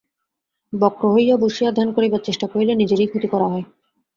বক্র হইয়া বসিয়া ধ্যান করিবার চেষ্টা করিলে নিজেরই ক্ষতি করা হয়।